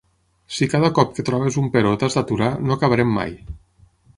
Si cada cop que trobes un però t'has d'aturar no acabarem mai.